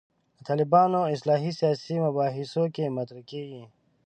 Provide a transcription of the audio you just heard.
د طالبانو اصطلاح سیاسي مباحثو کې مطرح کېږي.